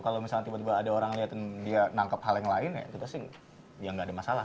kalau misalnya tiba tiba ada orang liatin dia nangkep hal yang lain ya kita sih ya nggak ada masalah